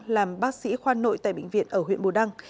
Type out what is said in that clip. làm bác sĩ khoa nội tại bệnh viện ở huyện bù đăng